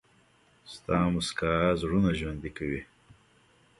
• ستا موسکا زړونه ژوندي کوي.